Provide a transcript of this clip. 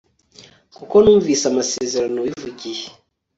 kuko bumvise amasezerano wivugiye